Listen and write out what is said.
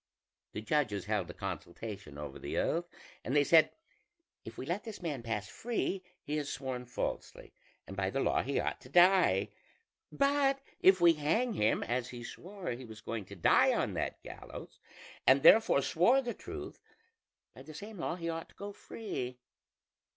The judges held a consultation over the oath, and they said: 'If we let this man pass free, he has sworn falsely, and by the law he ought to die; but if we hang him, as he swore he was going to die on that gallows, and therefore swore the truth, by the same law he ought to go free.'